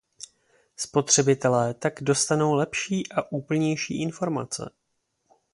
Spotřebitelé tak dostanou lepší a úplnější informace.